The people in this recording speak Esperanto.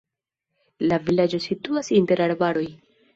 La vilaĝo situas inter arbaroj.